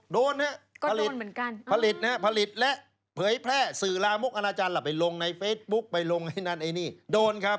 โดนครับผลิตและเผยแพร่สื่อลามุกอาณาจารย์ไปลงในเฟซบุ๊กไปลงไอ้นี่โดนครับ